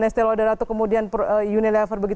neste lodera atau kemudian unilever